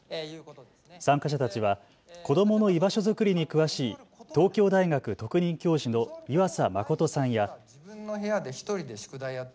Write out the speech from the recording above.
参加者たちは子どもの居場所づくりに詳しい東京大学特任教授の湯浅誠さんや。